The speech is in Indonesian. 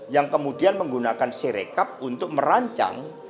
yang kemudian menggunakan sirekap untuk merancang